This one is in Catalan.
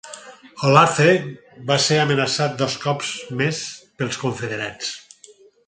Olathe va ser amenaçat dos cops més pels Confederats.